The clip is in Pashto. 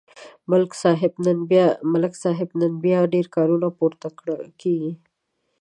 ملک صاحب نن بیا ډېر کارته پورته کېږي.